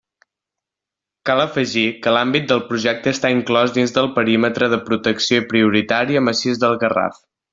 Cal afegir que l'àmbit del Projecte està inclòs dins del perímetre de protecció prioritària Massís del Garraf.